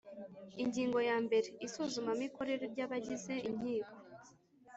Ingingo ya mbere Isuzumamikorere ry’abagize inkiko